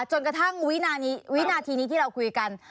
จนกระทั่งวินาทีนี้ที่เราคุยกัน